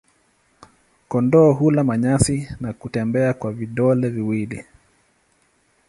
Kondoo hula manyasi na kutembea kwa vidole viwili.